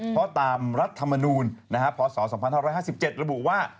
เพราะตามรัฐมนูลพศ๒๕๕๗ระบุว่า